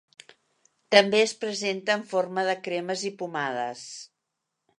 També es presenta en forma de cremes i pomades.